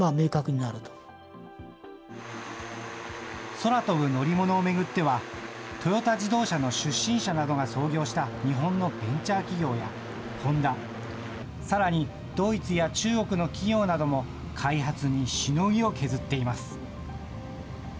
空飛ぶ乗り物を巡っては、トヨタ自動車の出身者などが創業した日本のベンチャー企業やホンダ、さらにドイツや中国の企業なども、開発にしのぎを削っています。